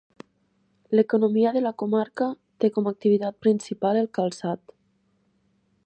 L'economia de la comarca té com activitat principal el calçat.